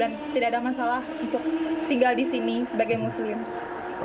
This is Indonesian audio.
jadi ini adalah masalah untuk tinggal di sini sebagai muslim